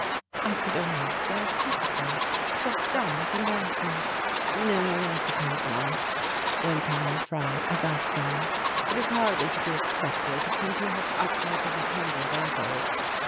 I could only stare stupidly, struck dumb with embarrassment. "No, I suppose not," went on Frau Augusta, "it is hardly to be expected since you have upwards of a hundred uncles."